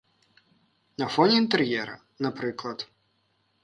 На фоне інтэр'ера, напрыклад.